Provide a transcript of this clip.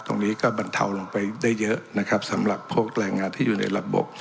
ตรงนี้ก็บรรเทาลงไปได้เยอะนะครับสำหรับพวกแรงงานที่อยู่ในระบบ